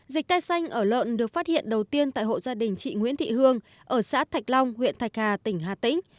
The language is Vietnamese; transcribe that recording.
dịch cây xanh ở lợn được phát hiện đầu tiên tại hộ gia đình chị nguyễn thị hương ở xã thạch long huyện thạch hà tỉnh hà tĩnh